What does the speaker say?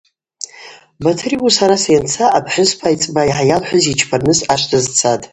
Батыр йуыс араса йанца апхӏвыспа айцӏба йгӏайалхӏвыз йчпарныс ашв дазцатӏ.